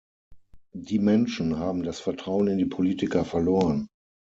Die Menschen haben das Vertrauen in die Politiker verloren.